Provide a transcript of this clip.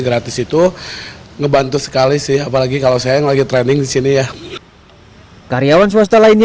gratis itu ngebantu sekali sih apalagi kalau saya yang lagi training di sini ya karyawan swasta lainnya